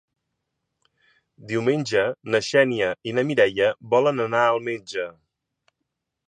Diumenge na Xènia i na Mireia volen anar al metge.